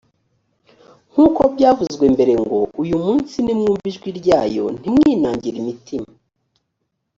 nk’uko byavuzwe mbere ngo uyu munsi nimwumva ijwi ryayo ntimwinangire imitima